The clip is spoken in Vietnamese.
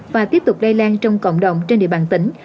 và tiếp tục lây lan trong cộng đồng trên địa bàn tỉnh